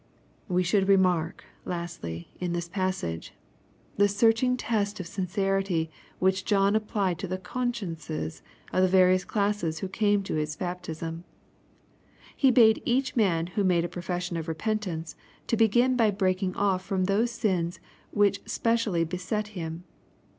We should remark, lastly, in this passage, the search^ ing test qf sincerity which John applied to the consciences of the various classes who came to his baptism. He bade each man who made a profession of repentance, to begin by breaking off from those sins which specially beset him.